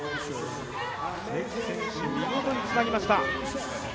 関選手、見事につなぎました。